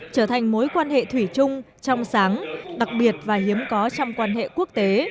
trở thành mối quan hệ thủy chung trong sáng đặc biệt và hiếm có trong quan hệ quốc tế